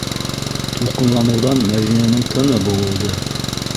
- Тулҡынланыуҙан Мәҙинәнең тыны быуылды.